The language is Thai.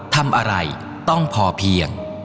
ทำอะไรต้องพอเพียง